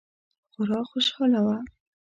خورا خوشحاله وه.